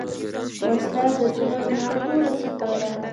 وسله د ظلم یو توره څپه ده